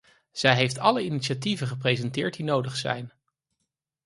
Zij heeft alle initiatieven gepresenteerd die nodig zijn.